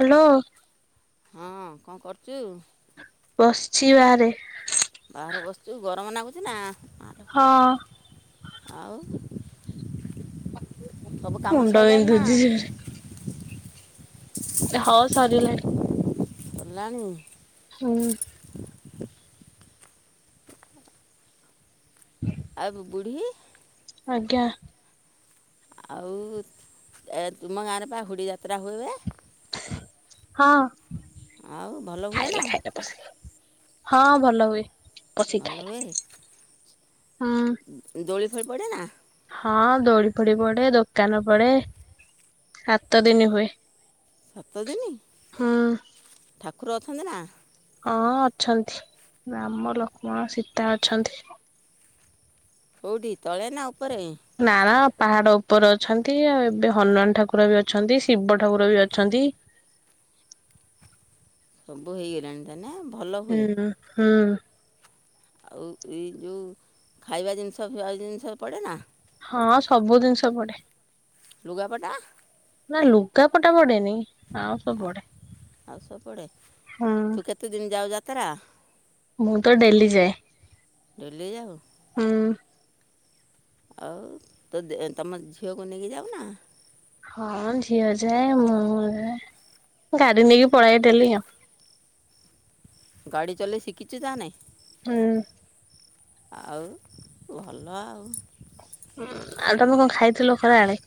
Hello. ହଁ କଣ କରୁଛୁ? ବସ୍ଛି ବାହାରେ। ବାହାରେ ବସିଛୁ ଗରମ ନାଗୁଛି ନା? ହଁ। ଆଉ? [inaudible] ସବୁ କାମ ମୁଣ୍ଡ ସଇଲାଣି ନା? ବିନ୍ଧୁଛି ଜୋରେ। ହଉ ସରିିଲାଣି। ଫୁଲ ଆଣିବୁ? ହୁଁ। [inaudible] ଆଉ ବୁଢ଼ୀ? ଆଜ୍ଞା। ଆଉ ତୁମ ଗାଁରେ ବାହୁଡ଼ିଯାତ୍ରା ହୁଏ? ହଁ। ଆଉ ଭଲ ହୁଏ ଖାଇଲା ନା? ଖାଇଲା ହଁ ଭଲ ହୁଏ। ପଶିକି ଭଲ ଖାଇଲା। ହୁଏ? ହୁଁ ଦୋଳି ଫୋଳି ପଡ଼େ ନା? ହଁ ଦୋଳି ଫୋଳୀ ପଡେ, ଦୋକାନ ପଡେ, ସାତ ଦିନ ହୁଏ। ସାତଦିନି! ହୁଁ ଠାକୁର ଅଛନ୍ତି ନା? ହଁ ଅଛନ୍ତି ରାମ ଲକ୍ଷ୍ମଣ ସୀତା ଅଛନ୍ତି। କଉଠି ତଳେ ନା ଉପରେ? ନା ନା ପାହାଡ ଉପରେ ଅଛନ୍ତି ଆଉ ଏବେ ହନୁମାନ ଠାକୁର ବି ଅଛନ୍ତି ଶିବ ଠାକୁର ବି ଅଛନ୍ତି। ସବୁ ହେଇଗଲାଣି ତାନେ? ଭଲ ହୁଁ ହୁଏ? ହୁଁ। ଆଉ ଏଇ ଯଉଁ ଖାଇବା ଜିନିଷ ଫାଇଆ ଜିନିଷ ପଡ଼େ ନା? ହଁ ସବୁ ଜିନିଷ ପଡେ। ଲୁଗାପଟା? ନା ଲୁଗାପଟା ପଡ଼େନି ଆଉ ସବୁ ପଡେ। ଆଉ ସବୁ ପଡ଼େ ହୁଁ। ତୁ କେତେ ଦିନ ଯାଉ ଯାତ୍ରା? ମୁଁ ତ ଡେଲି ଯାଏ। ଡେଲି ଯାଉ ହୁଁ। ଆଉ ତୋ ଦେ ତମ ଝିଅକୁ ନେଇକି ଯାଉନା? ହଁ ଝିଅ ଯାଏ ମୁଁ ଯାଏ ଗାଡି ନେଇକି ପଳାଏଡେଲି ଆଉ। ଗାଡି ଚଲେଇ ଶିଖିଛ ଯା ନେ। ହୁଁ। ଆଉ ଭଲ ଆଉ ଉଁ ଆଉ ତମେ କଣ ଖାଇଥିଲ ଖରା ବେଳେ?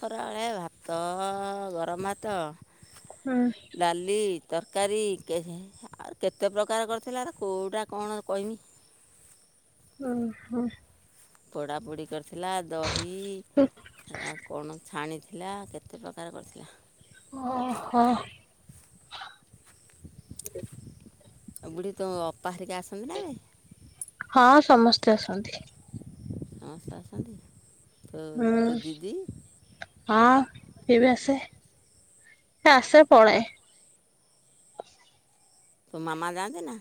ଖରାବେଳେ ଭାତ ଗରମଭାତ ହୁଁ। ଡାଲି ତରକାରୀ କେ ଆ କେତେ ପ୍ରକାର କରିଥିଲା କେଉଁଟା କଣ କହିମି ଓ ହୋ ପୋଡ଼ାପୋଡ଼ି କରିଥିଲା ଦହି ଆ କଣ ଛାଣି ଥିଲା କେତେ ପ୍ରକାର କରିଥିଲା। ଓହୋ। ବୁଢ଼ି ତୋ ଅପାହେରିକା ଆସନ୍ତି ନା ନାଈ? ହଁ ସମସ୍ତେ ଆସନ୍ତି। ସମସ୍ତେ ଆସନ୍ତି ତୋ ହୁଁ ତୋ ଦିଦି? ହଁ ସେ ବି ଆସେ ସେ ଆସେ ପଳାଏ। ତୋ ମାମା ଯାଆନ୍ତି ନା?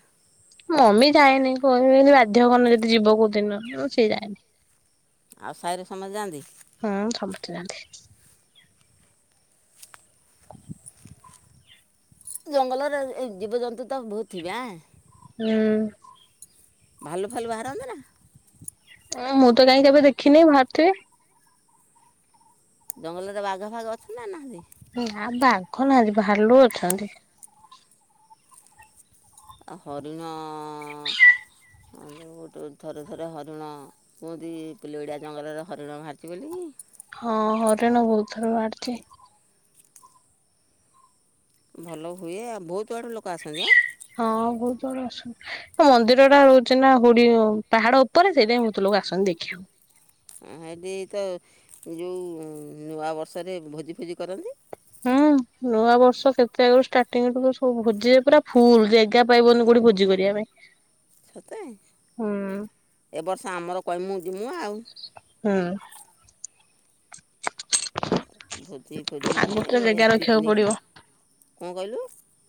ମମି ଯାଏନି [unintelligible] ଯଦି ବାଧ୍ୟ କରନି ଯଦି ଯିବ କୋଉ ଦିନ ସିଏ ଯାଏନି। ଆଉ ସାହିରେ ସମତେ ଯାଆନ୍ତି। ହୁଁ ସମସ୍ତେ ଯାନ୍ତି। [inaudible] ଜଙ୍ଗଲରେ ଏ ଜୀବଜନ୍ତୁ ତ ବହୁତ ଥିବ ଆଁ? ହୁଁ। ଭାଲୁ ଫାଲୁ ବାହାରନ୍ତି ନା? ଅଁ ମୁଁ ତ କାଇଁ କେବେ ଦେଖିନି ବାହାରୁଥିବେ। ଜଙ୍ଗଲରେ ବାଘ ଫାଘ ଅଛନ୍ତି ନା ନାହାନ୍ତି? ନା ବାଘ ନାହାନ୍ତି ଭାଲୁ ଅଛନ୍ତି। ଆଉ ହରିଣ ଗୋଟେ ଥରେ ଥରେ ହରିଣ କୁହନ୍ତି ପିଲୋଏଡ଼ିଆ ଜଙ୍ଗଲରେ ହରିଣ ବାହାରିଛି ବୋଲିକି। ହଁ ହରିଣ ବହୁତ ଥର ବାହାରିଛି। ଭଲ ହୁଏ ଆଉ ବହୁତଆଡ଼ୁ ଲୋକ ଆସନ୍ତି ଆଁ? ହଁ ବହୁତ ଆଡୁ ଆସନ୍ତି। ମନ୍ଦିରଟା ରହୁଛି ନା ହୁଡ଼ି ପାହାଡ଼ ଉପରେ ସେଇଥିପାଇଁ ବହୁତ ଲୋକ ଆସନ୍ତି ଦେଖିବାକୁ। ହେଇଠି ତ ଯୋଉ ନୂଆବର୍ଷରେ ଭୋଜି ଫୋଜି କରନ୍ତି। ହୁଁ [inaudible] ନୂଆ ବର୍ଷ କେତେ ଆଗରୁ ଷ୍ଟାର୍ଟିରୁ ତ ଭୋଜିରେ ପୁରା ଫୁଲ ଜାଗା ପାଇବନି କୋଉଠି ଭୋଜି କରିବା ପାଇଁ। ସତେ ହୁଁ ଏ ବର୍ଷ ଆମର କମୁ ଯିମୁ ଆଉ। ହୁଁ। ଭୋଜି ଫୋଜି ହୁଏ ଆଗତୁରା ଜାଗା ରଖିବାକୁ ପିକନିକ୍ ପଡିବ। କଣ କହିଲୁ?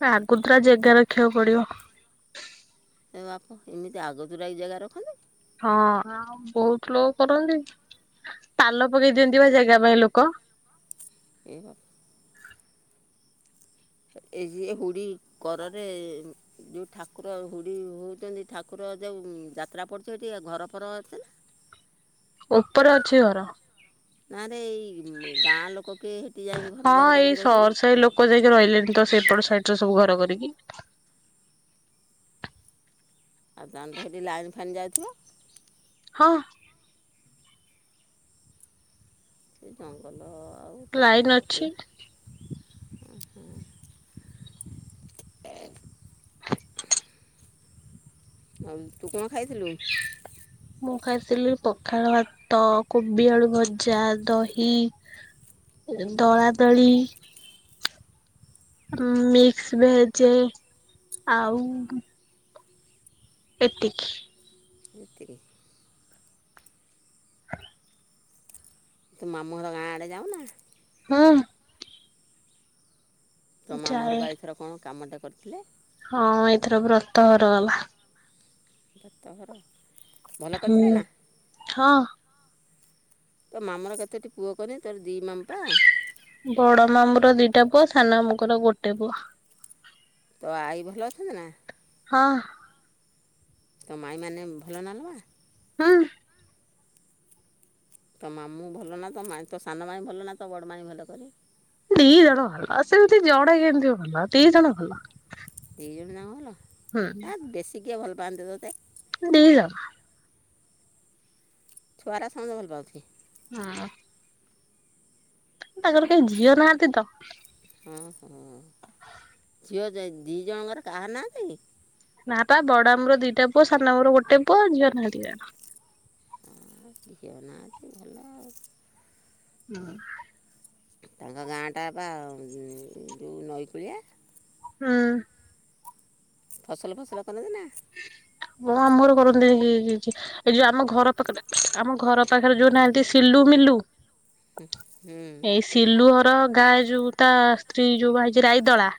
ଆଗତୁରା ଜାଗା ରଖିବାକୁ ପଡ଼ିବ। ହେ ବାପ ଏମିତି ଆଗୁତୁରାକି ଜାଗା ରଖନ୍ତି। ହଁ ଆଉ ବହୁତ ଲୋକ କରନ୍ତି ପାଲ ପକେଇ ଦିଅନ୍ତି ବା ଜାଗା ପାଇଁ ଲୋକ। ଏ ବାପ ଏ ଯିଏ ହୁଡ଼ି କରରେ ଯେଉଁ ଠାକୁର ହୁଡ଼ି ହଉଛନ୍ତି ଠାକୁର ଯେଉଁ ଯାତ୍ରା ପଡ଼ୁଛି ହେଠି ଘର ଫର ଅଛି ନା? ଉପରେ ଅଛି ଘର। ନାରେ ଏଇ ଗାଁ ଲୋକ କିଏ ହେଠି ଯାଇକି ଘର ଦ୍ୱାର କରିକି ରହିଛନ୍ତି ନା? କୁଆଡ଼େ ଯାଇକି ରହିଲେଣି ତ ସେଇପଟ ସାଇଟ୍ ରେ ସବୁ ଘର କରିକି। ଆଉ ତାହେନେ ତ ହେଠି ଲାଇନ୍ ଫାଇନ ଯାଉଥିବ? ହଁ। ସେ ଜଙ୍ଗଲ ଆଉ ଲାଇନ ଅଛି। ହେଲା। [inaudible] ଆଉ ତୁ କଣ ଖାଇଥିଲୁ? ମୁଁ ଖାଇଥିଲି ପଖାଳ ଭାତ। କୋବି ଆଳୁ ଭଜା ଦହି ଦଳାଦଳି। ମିକ୍ସ ଭେଜ ଆଉ ଏତିକି [unintelligible] ତୁ ମାମଁ ଘର ଗାଁ ଆଡ଼େ ଯାଇନ? ହଁ। ତ ମ ମାମୁଁ ଘର ଯାଏ ପା ଏଥର କଣ କାମଟେ କରିଥିଲେ? ହଁ ଏଥର ବ୍ରତ ହର ଗ [unintelligible] ବ୍ରତ ଘର ଭଲ ହୁଁ କରିଥିଲେ ନା? ହଁ ତୋ ମାମା କେତେଟି ପୁଅ କହନି? ତୋର ଦିଇ ମାମୁଁ ପା। ବଡ ମାମୁଁ ର ଦିଟା ପୁଅ ସାନ ମାମୁଁ ଙ୍କର ଗୋଟେ ପୁଅ। ତୋ ଆଈ ଭଲ ଅଛି ନା? ହଁ। ତ ମାଇଁ ମାନେ ଭଲ ନା [unintelligible] ହୁଁ। ତ ମାମୁଁ ଭଲ ନା, ତ ସାନ ମାଇଁ ଭଲ ନା ତ ବଡ଼ ମାଇଁ ଭଲ କହନି? ଦି ଜଣ ଭଲ, ସେମିତି ଜଣେ କେମିତିି ଭଲ ଦି ଜଣ ଭଲ। ଦି ଜଣ ଯାକ। ହୁଁ। ବେଶିକିଏ ଭଲପାଆନ୍ତି ତତେ? ଦିଜଣ। ଛୁଆରା ସମସ୍ତେ ଭଲ [unintelligible] [unintelligible] [unintelligible] କେହି ଝିଅ ନାହାନ୍ତି ତ। ହଁ ହଁ। ଝିଅ ଦି ଜଣଙ୍କର କାହାର ନାହାନ୍ତି? ନା ବା ବଡ ମାମୁଁ ର ଦିଇଟା ପୁଅ ସାନ ମାମୁଁ ଗୋଟେ ପୁଅ ଝିଅ ନାହାନ୍ତି। [unintelligible] ଝିଅ ନାହାନ୍ତି ଭଲ। ହୁଁ ତାଙ୍କ ଗାଁଟା ବା ଯେଉଁ ନଈକୂଳିଆ? ହୁଁ। ଫସଲ ଫସଲ କରନ୍ତି ନା ନାଇଁ? ମୋ ମାମୁଁ ଘର କର [unintelligible] ଏଇ ଯୋଉ ଆମ ଘର ପାଖରେ [unintelligible] ଆମ ଘର ପାଖରେ ଯୋଉ ନାହାନ୍ତି ସିଲୁ, ମିଲୁ। ହୁଁ। ଏଇ ସିଲୁ ଘର ଗାଁ ଯୋଉ ତା ସ୍ତ୍ରୀ ଯୋଉ ବାହା ହେଇଛି ହେଇଚି ରାଏଦଲା।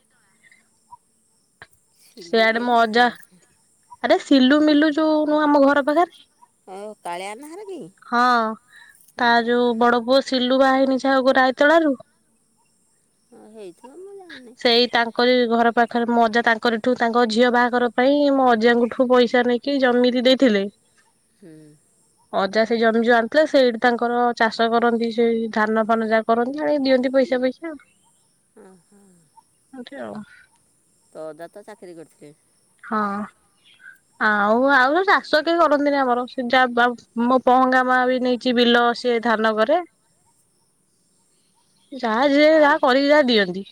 ଶିଲୁ ସେଆଡେ କିଏ ମୋ ଲୋ ମୁଁ ଅଜା ଜାଣିନି। ଆରେ ସିଲୁ, ମିଲୁ ଯୋଉ ନୁହଁ ଆମ ଘର ପାଖରେ। ଓ କାଳିଆ ନାହାର କି ହଁ ହଁ ତା ଯୋଉ ହଁ ବଡ ପୁଅ ସିଲୁ ବାହେନି [unintelligible] ହଁ ହେଇଥିବ ମୁଁ ଜାଣିନି। ସେଇ ତାଙ୍କରି ଘର ପାଖରେ ମଜା ତାଙ୍କରିଠୁ ତାଙ୍କ ଝିଅ ବାହାଘର ପାଇଁ ମୋ ଅ ଆଜାଙ୍କଠୁ ପଇସା ନେଇକି ଜମି ଦେଇଥିଲେ। ହୁଁ। ଅଜା ସେ ଜମି ଯୋଉ ଆଣିଥିଲେ ସେଇଠି ତାଙ୍କର ଚାଷ କରନ୍ତି ସେଇ ଧାନ ଫାନ ଯାକ। କରନ୍ତି ଆ ଦିଅନ୍ତି ପଇସା ପିଇସି ଆଉ। ହୁଁ ହଁ। [unintelligible] ତୋ ଅଜା ତ ଚାକିରି କରିଥିଲେ। ହଁ। ଆଉ ଆଉ ଚାଷ କେହି କରନ୍ତିନି ଆମର ଯା ବା ମୋ ପହଙ୍ଗା ମା ବି ନେଇ ଚି ବିଲ ସିଏ ଧାନକରେ। ଯାହା ଯିଏ ଆଉ ଯାହା କରିକି ଯାହା ଦିଅନ୍ତି।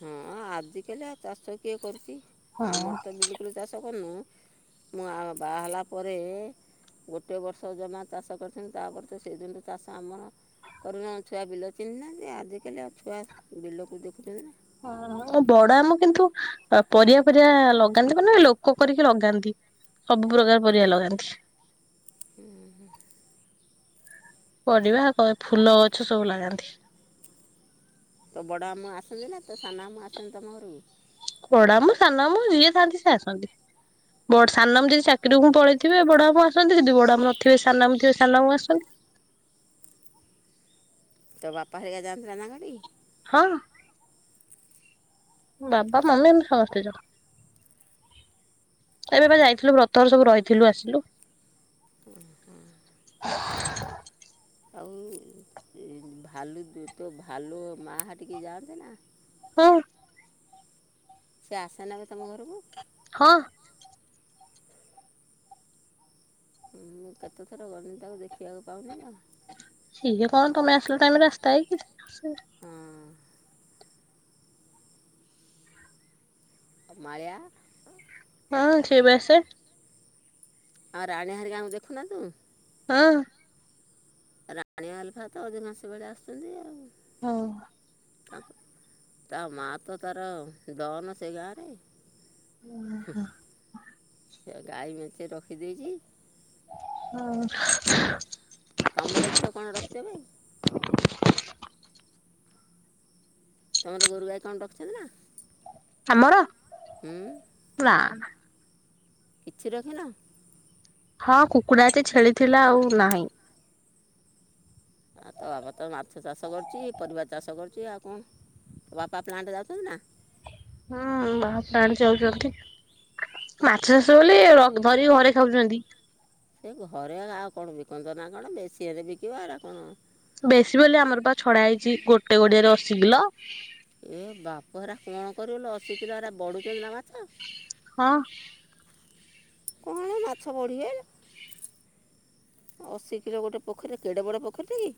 ହଁ ଆଜିକାଲି ଆଉ ଚାଷ କିଏ କରୁଛି ଆମର ତ ବିଲକୁଲ ଚାଷ କରୁନୁ। ମୁଁ ଆ ବାହା ହେଲା ପରେ ଗୋଟିଏ ବର୍ଷ ଜମା ଚାଷ କରିଥିନି ତାପରେ ତ ସେଦିନଠୁ ଚାଷ ଆମର କରୁନା ଛୁଆ ବିଲ ଚିହ୍ନି ନାହାନ୍ତି ଆଜିକାଲି ଆଉ ଛୁଆ ବିଲକୁ ଦେଖୁଛନ୍ତି ନା। ହଁ। ମୋ ବଡ଼ ଆମୁ କିନ୍ତୁ ପରିବା ଫରିବା ଲଗାନ୍ତି ମାନେ ଲୋକ କରିକି ଲଗାନ୍ତି। ସବୁ ପ୍ରକାର ପରିବା ଲଗାନ୍ତି। ଉଁ ହୁ। ପରିବା କ ଫୁଲ ଗଛ ସବୁ ଲଗାନ୍ତି। ତୋ ବଡ଼ ଆମୁ ଆସନ୍ତି ନା ତ ସାନ ଆମୁ ଆସନ୍ତି ତମ ଘରକୁ? ବଡ଼ ମାମୁ ସାନ ମାମୁ ଯିଏ ଥାନ୍ତି ସିଏ ଆସନ୍ତି। ବଡ଼୍ ସାନ ମୁ ଯଦି ଚାକିରିକୁଙ୍କୁ ପଳେଇଥିବେ ବଡ଼ ଆମୁ ଆସନ୍ତି ଯଦି ବଡ଼ ଆମୁ ନଥିବେ ସାନ ଆମୁ ଥିବେ ସାନ ଆମୁ ଆସନ୍ତି। ତ ବାପା ହେରିକା ଯାଆନ୍ତି ନା ତାଙ୍କ ହଟିକି? ହଁ। ବାପା ମମି ଆମେ ସମସ୍ତେ ଯାଉ। ଏବେ ଯାଇଥିଲୁ ବ୍ରତଘର ସବୁ ରହିଥିଲୁ ଆସିଲୁ। ଉଁ ହୁଁ। ଆଉ ଇ ଭାଲୁ ଦୁ ତୋ ଭାଲୁ ମା ହଟିକି ଯାଆନ୍ତି ନା? ହଁ। ସେ ଆସେନାବେ ତମ ଘରକୁ? ହଁ। ମୁଁ କେତେ ଥର ଗନି ତାକୁ ଦେଖିବାକୁ ପାଉନିନା। ସିଏଜି କଣ ତମେ ଆସିଲ ଟାଇମ ଆସ୍ତାଏ କି ସେ। ହଁ ମାଳିଆ। ହଁ ସିଏବି ଆସେ। ଆଉ ରାଣୀ ହାରିକାଙ୍କୁ ଦେଖୁନା ତୁ? ହଁ। ରାଣୀ ଆଲଫା ତ ଅଦିନାସି ବେଳେ ଆସୁଛନ୍ତି ଆଉ। ହଁ। ତା ମା ତ ତାର ଦନ ସେଇ ଗାଁରେ। ହୁଁ ସେ ଗାଈ ମେଞ୍ଚେ ରଖି ଦେଇଚି। ହଁ। ତମର ଝିଅ କଣ ରଖିଛବେ? ତମର ଗୋରୁ ଗାଈ କଣ ରଖିଛନ୍ତି ନା? ଆମର ହୁଁ ନାଁ। କିଛି ରଖିନ? ହଁ କୁକୁଡ଼ା ଏତେ ଛେଳିଥିଲା ଆଉ ନାହିଁ। ଆଉ ତ ବାବା ତ ମାଛ ଚାଷ କରୁଛି ପରିବା ଚାଷ କରୁଛି ଆଉ କଣ। ତୋ ବାପା ପ୍ଲାଣ୍ଟ ଯାଉଛନ୍ତି ନା? ହୁଁ ବାହା ପ୍ଲାଣ୍ଟ ଯାଉଛନ୍ତି। ମାଛ ଚାଷ ବୋଲି ରକ୍ ଧରିକି ଘରେ ଖାଉଛନ୍ତି। ସେ ଘରେ ଆଉ କଣ ବିକନ୍ତ ନା କଣ ବେଶି ହେନେ ବିକିବ ଏରା କଣ। ବେଶୀ ବୋଲି ଆମର ପା ଛଡ଼ା ହେଇଚି ଗୋଟେ ଗଡ଼ିଆରେ ଅଶ କିଲ। ଏ ବାପ ଏରା କଣ କରିବଲୋ ଅଶୀ କିଲୋ ଏରା ବଡ଼ୁଛନ୍ତି ନା ମାଛ? ହଁ। କଣ ମାଛ ବଢ଼ିବେ? ଅଶୀ କିଲୋ ଗୋଟେ ପୋଖରୀ କେଡେ ବଡ଼ ପୋଖରୀ କି?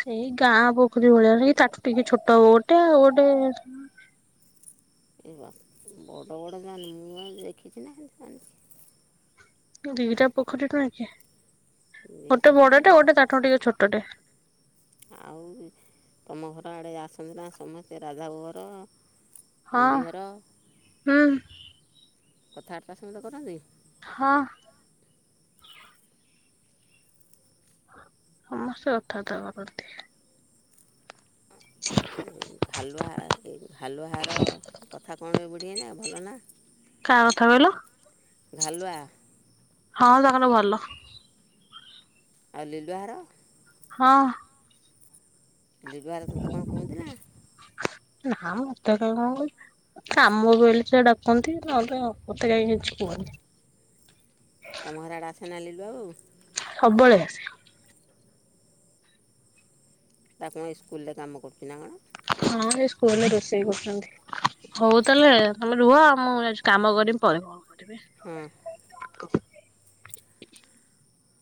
ସେଇ ଗାଁ ପୋଖରୀ ଭଳିଆ ତା ଠୁ ଟିକେ ଛୋଟ ହବ ଗୋଟେ ଆଉ ଗୋଟେ ଏ ବା ବଡ଼ ବଡ଼ [unintelligible] ମୁଁ ଦେଖିଛି ନା ଯା ଦିଟା ପୋଖରୀ ଟୁ ଆ ଦୁଇଟା ଗୋଟେ ପୋଖରୀ ବଡଟେ ଗୋଟେ ତାଠୁ ଟିକେ ଛୋଟଟେ। ଆଉ ତମ ଘର ଆଡ଼େ ଆସନ୍ତି ନା ସମସ୍ତେ ରାଧାଭୋଘର? ହଁ ଅମ୍ବିହର ହୁଁ କଥାବାର୍ତ୍ତା ସମସ୍ତେ କରନ୍ତି? ହଁ। ସମସ୍ତେ କଥାବାର୍ତ୍ତା କରନ୍ତି। ହାଲୁଆ ହାଲୁଆ ଘର କଥା କଣ ଏ ବୁ଼ଢି ଏଇନା ଭଲ ନା? କା କଥା କହିଲ? ଘାଲୁଆ ହଁ ତାଙ୍କର ଭଲ। ଆଉ ଲିଲୁଆ ଘର? ହଁ। ଲିଲୁଆ ଘର ତୋତେ କଣ କୁହନ୍ତି ନା? ନାଁ ମ ମତେ କାଇଁ କଣ କଇବେ। କାମ ପଇଲେ ସେ ଡାକନ୍ତି ନହେଲେ ମତେ କେହି କିଛି କୁହନ୍ତି। ତମ ଘର ଆଡ଼େ ଆସେ ନା ଲିଲୁଆ ବୋଉ? ସବୁବେଳେ ଆସେ। ତା କଣ ଇସ୍କୁଲରେ କାମ କରୁଛି ନା କଣ? ହଁ ଏ ସ୍କୁଲରେ ରୋଷେଇ କରୁଛନ୍ତି। ହଉ ତାହେଲେ ତମେ ରୁହ ମୁଁ ଯାଉଚି କାମ କରମି ପରେ କଲ୍ କରିବି। ହୁଁ।